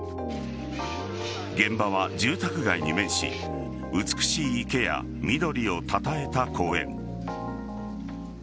現場は住宅街に面し美しい池や緑をたたえた公園。